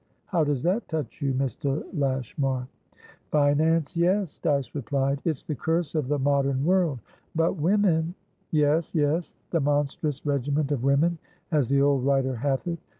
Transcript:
How does that touch you, Mr. Lashmar?" "Finance yes," Dyce replied. "It's the curse of the modern world. But women?" "Yes, yes, the 'monstrous regiment of women,' as the old writer hath it.